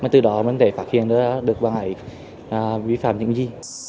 từ đó mình có thể phát hiện được bạn ấy vi phạm những gì